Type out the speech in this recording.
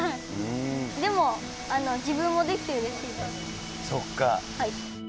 でも自分もできてうれしいでそっか。